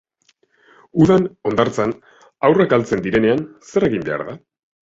Udan, hondartzan, haurrak galdetzen direnean, zer egin behar da?